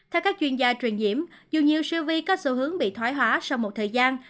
theo các chuyên gia truyền nhiễm dù như siêu vi có xu hướng bị thoái hóa sau một thời gian